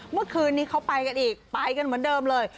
เมื่อคืนนี้เขาไปกันอีกไปกันเหมือนเดิมเลย